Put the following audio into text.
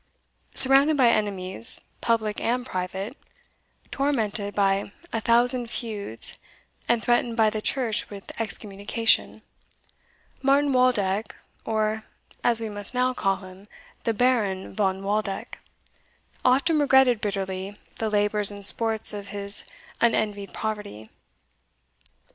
Surrounded by enemies, public and private, tormented by a thousand feuds, and threatened by the church with excommunication, Martin Waldeck, or, as we must now call him, the Baron von Waldeck, often regretted bitterly the labours and sports of his unenvied poverty.